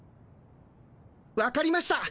わかりました。